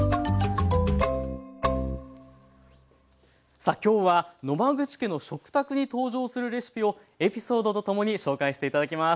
さあきょうは野間口家の食卓に登場するレシピをエピソードと共に紹介して頂きます。